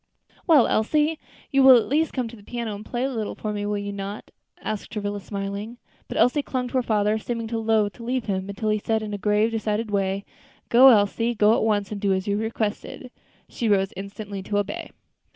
"Well, Elsie, you will at least come to the piano and play a little for me, will you not?" asked Travilla, smiling. But Elsie still clung to her father, seeming loath to leave him, until he said, in his grave, decided way, "Go, Elsie; go at once, and do as you are requested." Then she rose instantly to obey.